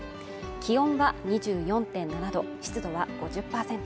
気温は２４．７度湿度は５０％